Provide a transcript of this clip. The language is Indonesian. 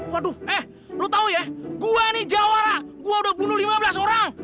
waduh eh lu tau ya gue ini jawara gue udah bunuh lima belas orang